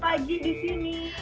pagi di sini